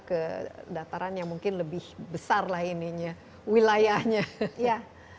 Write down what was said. ke dataran yang mungkin lebih besar lah ininya wilayahnya